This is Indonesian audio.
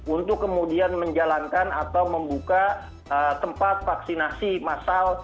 untuk kemudian menjalankan atau membuka tempat vaksinasi masal